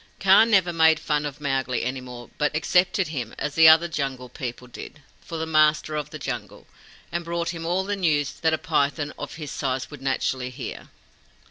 Kaa never made fun of Mowgli any more, but accepted him, as the other Jungle People did, for the Master of the Jungle, and brought him all the news that a python of his size would naturally hear.